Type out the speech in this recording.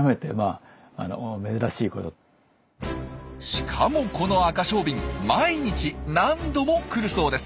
しかもこのアカショウビン毎日何度も来るそうです。